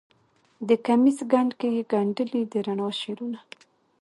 د کمیس ګنډ کې یې ګنډلې د رڼا شعرونه